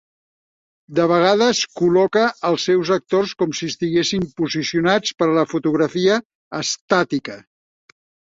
De vegades col·loca als seus actors com si estiguessin posicionats per a la fotografia estàtica.